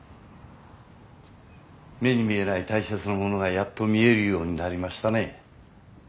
目に見えない大切なものがやっと見えるようになりましたね。